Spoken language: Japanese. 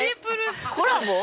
コラボ？